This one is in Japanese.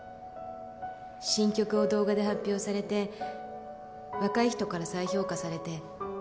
新曲を動画で発表されて若い人から再評価されて。